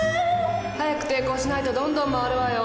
早く抵抗しないとどんどん回るわよ。